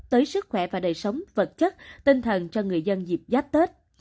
tới sức khỏe và đời sống vật chất tinh thần cho người dân dịp giáp tết